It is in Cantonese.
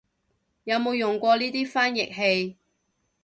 有冇用過呢個翻譯器